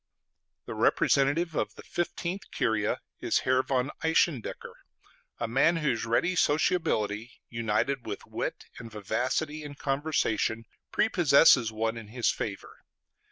The representative of the Fifteenth Curia is Herr von Eisendecher, a man whose ready sociability, united with wit and vivacity in conversation, prepossesses one in his favor.